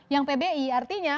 yang pbi artinya